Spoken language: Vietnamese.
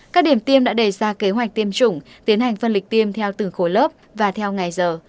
các điểm tiêm đã đề ra kế hoạch tiêm chủng tiến hành phân lịch tiêm theo từng khối lớp và theo ngày giờ